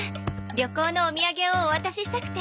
旅行のお土産をお渡ししたくて。